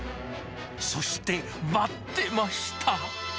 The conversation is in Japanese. そして、待ってました。